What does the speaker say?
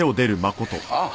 ああ。